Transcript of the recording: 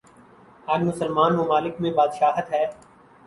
آج مسلمان ممالک میںبادشاہت ہے۔